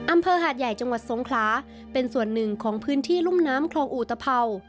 อำเภอหาดใหญ่จังหวัดสงขลาเป็นส่วนหนึ่งของพื้นที่รุ่มน้ำคลองอุตภัว